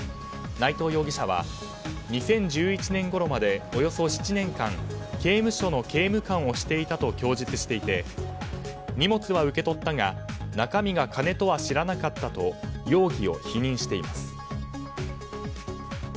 内藤容疑者は２０１１年ごろまでおよそ７年間刑務所の刑務官をしていたと供述していて荷物は受け取ったが中身が金とは知らなかったと容疑を否認しています。